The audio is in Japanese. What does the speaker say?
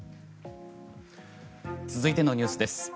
続いてのニュースです。